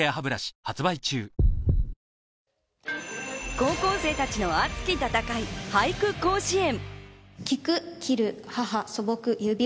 高校生たちの熱き戦い、俳句甲子園。